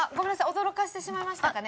驚かせてしまいましたかね？